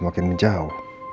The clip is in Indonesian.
dia akan bert dazu